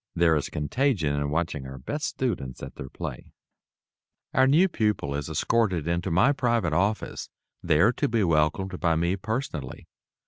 There is contagion in watching our best students at their "play." Our new pupil is escorted also into my private office, there to be welcomed by me personally.